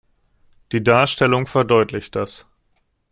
Die Darstellung verdeutlicht das.